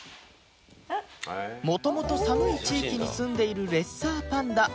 元々寒い地域に住んでいるレッサーパンダ